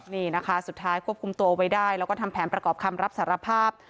นี่นะคะสุดท้ายควบคุมตัวไว้ได้แล้วก็ทำแผนประกอบคำรับสารภาพ